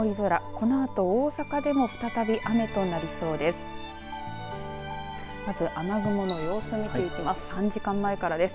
このあと、大阪でも再び雨となりそうです。